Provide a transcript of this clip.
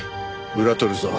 裏取るぞ。